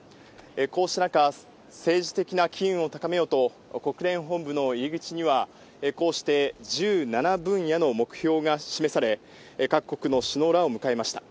こうした中、政治的な機運を高めようと、国連本部の入り口には、こうして１７分野の目標が示され、各国の首脳らを迎えました。